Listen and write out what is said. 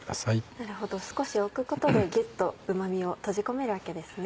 なるほど少し置くことでギュっとうま味を閉じ込めるわけですね。